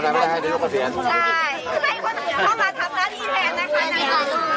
ถ้าพัฒนายังไม่ได้ก็อยากให้กระเศียรไปเร็วนะคะ